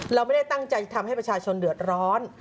เราไม่ได้ตั้งใจทำให้ประชาชนเดือดร้อน